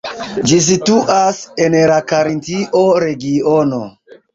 Ĝi situas en la Karintio regiono.